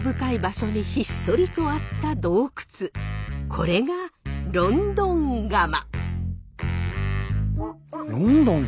これがロンドンガマ。